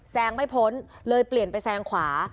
งไม่พ้นเลยเปลี่ยนไปแซงขวา